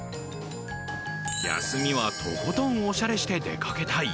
休みはとことんおしゃれして出かけたい。